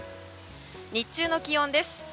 日中の気温です。